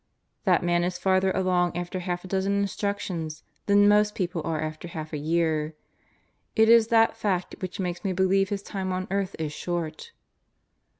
That man is farther along after half a dozen instructions than most people are after half a year. It is that fact which makes me believe his time on earth is short."